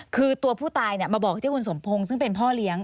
คือตัวผู้ตายมาบอกที่คุณสมพงศ์ซึ่งเป็นพ่อเลี้ยง